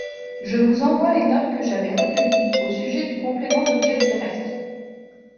Je vous envoie les notes que j’avais recueillies au sujet du complément d’objet direct.